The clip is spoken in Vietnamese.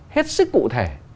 hết sức cụ thể